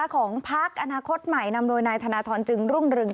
ของพักอนาคตใหม่นำโบนายธนาธรรมจึงรุ่งรึง